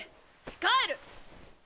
帰る！